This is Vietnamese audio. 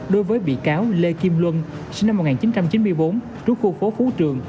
đối với bị cáo lê kim luân sinh năm một nghìn chín trăm chín mươi bốn trú khu phố phú trường